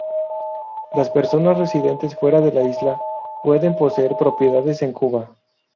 Las personas residentes fuera de la isla pueden poseer propiedades en Cuba.